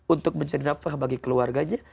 untuk mencari nafah bagi keluarganya